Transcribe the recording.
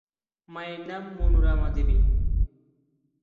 মায়ের নাম মনোরমা দেবী।